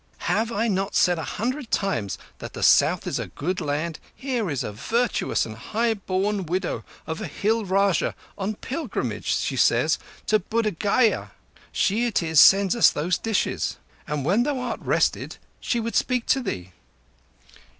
"Have I not said an hundred times that the South is a good land? Here is a virtuous and high born widow of a Hill Rajah on pilgrimage, she says, to Buddha Gay. She it is sends us those dishes; and when thou art well rested she would speak to thee."